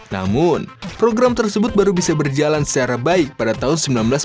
namun program tersebut baru bisa berjalan secara baik pada tahun seribu sembilan ratus sembilan puluh